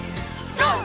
ＧＯ！